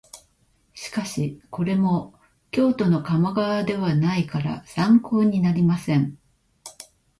しかしこれも京都の鴨川ではないから参考になりません